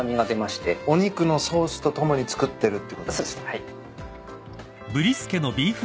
はい。